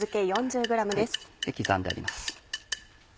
刻んであります。